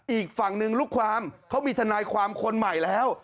อีกฝั่งหนึ่งลูกความเขามีทนายความคนใหม่แล้ว